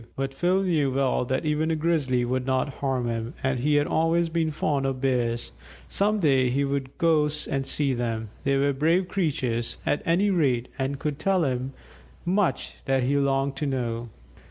But Phil knew well that even a Grizzly would not harm him, and he had always been fond of Bears. Some day he would go and see them; they were brave creatures, at any rate, and could tell him much that he longed to know.